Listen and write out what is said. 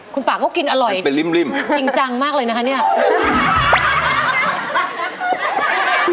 คุณป่าก็กินอร่อยจริงจังมากเลยนะคะเนี่ยเป็นริ่ม